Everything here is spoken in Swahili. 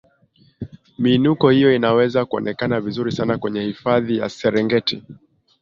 miinuko hiyo inaweza kuonekana vizuri sana kwenye hifadhi ya serengeti